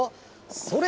それ！